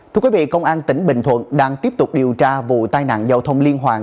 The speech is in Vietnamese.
thưa quý vị công an tỉnh bình thuận đang tiếp tục điều tra vụ tai nạn giao thông liên hoàn